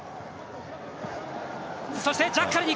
そしてジャッカルにいく！